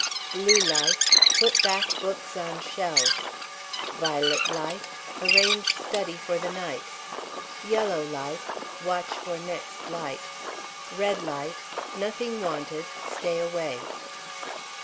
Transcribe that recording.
Blue light Put back books on shelves. Violet light Arrange study for the night. Yellow light Watch for next light. Red light Nothing wanted; stay away.